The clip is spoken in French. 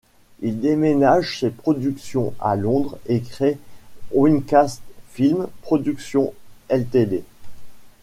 Il déménage ses productions à Londres et crée Winkast Film Productions Ltd.